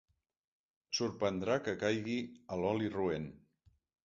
Sorprendrà que caigui a l'oli roent.